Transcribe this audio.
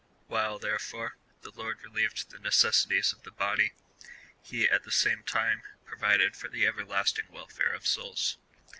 While, therefore, the Lord relieved the necessities of the body, he, at the same time, provided for the everlasting wel fare of souls.